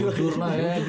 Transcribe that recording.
jujur nah ya